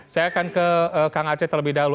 saya akan ke kang aceh terlebih dahulu